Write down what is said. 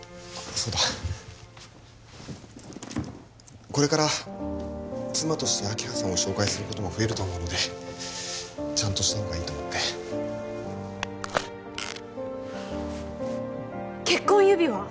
そうだこれから妻として明葉さんを紹介することも増えると思うのでちゃんとした方がいいと思って結婚指輪！？